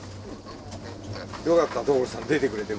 よかった所さん出てくれて。